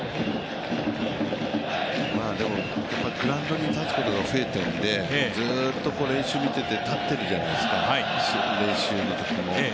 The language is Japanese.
でも、グラウンドに立つことが増えているので、ずっと練習見てて、立ってるじゃないですか、練習のときも。